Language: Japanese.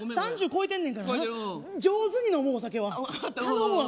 ３０超えてんねんから上手に飲もう、お酒は。